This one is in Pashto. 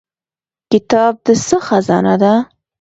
کتاب د څه خزانه ده؟